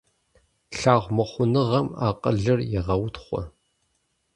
Лъагъумыхъуныгъэм акъылыр егъэутхъуэ.